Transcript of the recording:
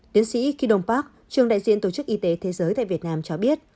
tiến sĩ kydon park trường đại diện tổ chức y tế thế giới tại việt nam cho biết